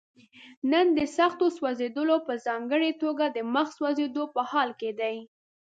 نن د سختو سوځېدلو په ځانګړي توګه د مخ سوځېدو په حال کې دي.